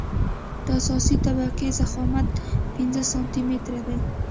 د اساسي طبقې ضخامت پنځه سانتي متره دی